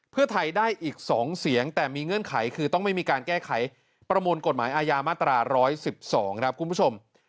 เพื่อไทยได้อีก๒เสียงแต่มีเงื่อนไขคือต้องไม่มีการแก้ไขประมวลกฎหมายอาญามาตรา๑๑๒ครับคุณผู้ชม